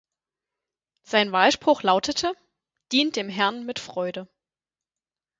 Sein Wahlspruch lautete: "Dient dem Herrn mit Freude".